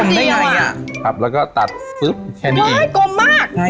ได้ไงอย่างเงี้ยครับแล้วก็ตัดแค่นี้อ้าวกลมมากง่ายจริงมาก